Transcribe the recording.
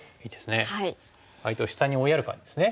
相手を下に追いやる感じですね。